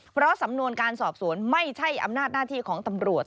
เพราะสำนวนการสอบสวนไม่ใช่อำนาจหน้าที่ของตำรวจ